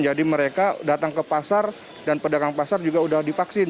jadi mereka datang ke pasar dan pedagang pasar juga sudah divaksin